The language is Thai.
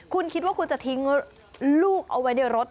คุณคิดว่าคุณจะทิ้งลูกเอาไว้ในรถ